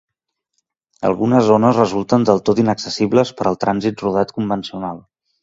Algunes zones resulten del tot inaccessibles per al trànsit rodat convencional.